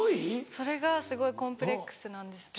それがすごいコンプレックスなんですけど。